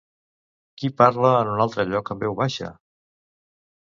Qui parla en un altre lloc en veu baixa?